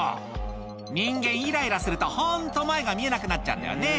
人間イライラするとホント前が見えなくなっちゃうんだよね